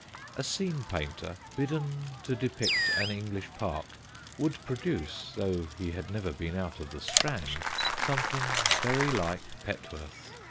A scene painter, bidden to depict an English park, would produce (though he had never been out of the Strand) something very like Petworth.